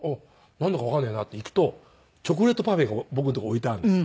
なんだかわかんねえなって行くとチョコレートパフェが僕の所に置いてあるんです。